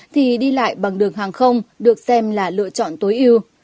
thì đi lại bằng đường hàng không được xem là lựa chọn tối yêu